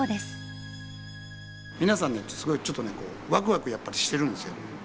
皆さんねすごいちょっとねこうワクワクやっぱりしてるんですよ。